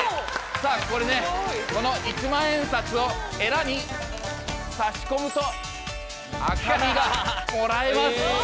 これねこの１万円札をエラに差し込むと赤身がもらえます！